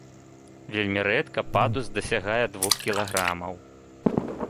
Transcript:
Вельмі рэдка падуст дасягае двух кілаграмаў.